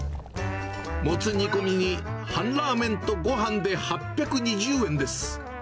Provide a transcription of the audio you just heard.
もつ煮込みと半ラーメンとごはんで８２０円です。